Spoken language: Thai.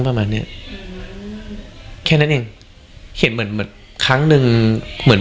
ประมาณเนี้ยแค่นั้นเองเห็นเหมือนเหมือนครั้งหนึ่งเหมือน